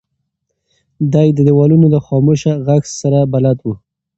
دی د دیوالونو له خاموشه غږ سره بلد و.